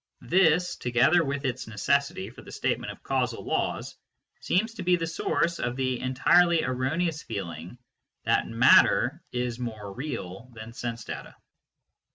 This, together with its necessity for the statement of causal laws, seems to be the source of the entirely erro neous feeling that matter is more " real " than sense data.